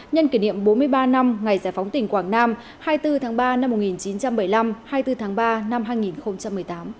nhân kỷ niệm bốn mươi ba năm ngày giải phóng tỉnh quảng nam hai mươi bốn tháng ba năm một nghìn chín trăm bảy mươi năm hai mươi bốn tháng ba năm hai nghìn một mươi tám